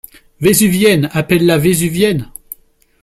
Vésuvienne ! appelle-la vésuvienne !